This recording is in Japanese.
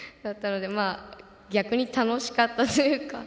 逆に楽しかったというか。